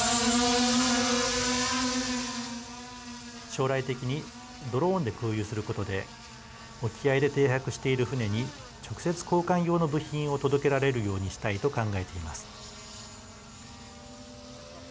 将来的にドローンで空輸することで沖合で停泊している船に直接、交換用の部品を届けられるようにしたいと考えています。